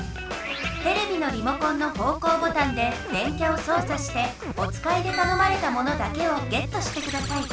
テレビのリモコンの方向ボタンで電キャをそうさしておつかいでたのまれたものだけをゲットしてください。